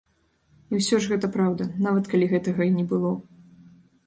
І ўсё ж гэта праўда, нават калі гэтага й не было.